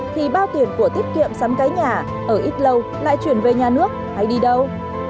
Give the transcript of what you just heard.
thì bao tiền của tiết kiệm sắm cái nhà ở ít lâu lại chuyển về nhà nước hay đi đâu